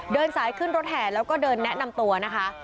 เดินสายขึ้นรถแห่แล้วก็เดินแนะนำตัวนะคะ